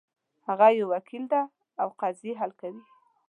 هغه یو وکیل ده او قضیې حل کوي